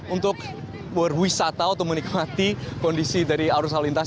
untuk berwisata atau menikmati kondisi dari arus halintas